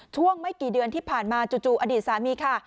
ไม่กี่เดือนที่ผ่านมาจู่อดีตสามีค่ะ